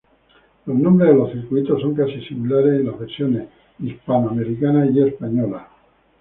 Los nombres de los circuitos son casi similares en las versiones hispanoamericana y española.